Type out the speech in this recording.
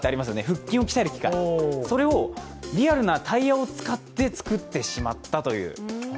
腹筋を鍛える機械をリアルなタイヤを使って作ってしまったという。